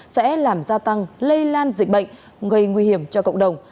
sẽ làm gia tăng lây lan dịch bệnh gây nguy hiểm cho cộng đồng